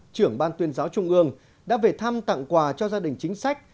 trưởng ban tuyên giáo trung ương đã về thăm tặng quà cho gia đình chính sách